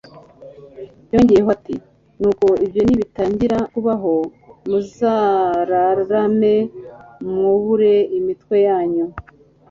yongeyeho ati: "Nuko ibyo nibitangira kubaho muzararame mwubure imitwe yanyu,